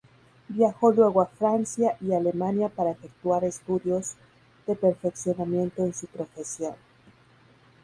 Viajó luego a Francia y Alemania para efectuar estudios de perfeccionamiento en su profesión.